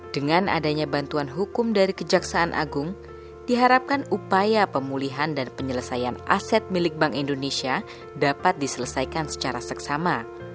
dengan adanya bantuan hukum dari kejaksaan agung diharapkan upaya pemulihan dan penyelesaian aset milik bank indonesia dapat diselesaikan secara seksama